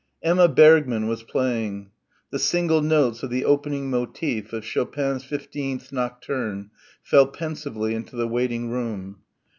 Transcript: Emma Bergmann was playing. The single notes of the opening motif of Chopin's Fifteenth Nocturne fell pensively into the waitingroom.